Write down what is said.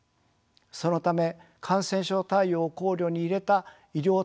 そのため感染症対応を考慮に入れた医療体制の充実。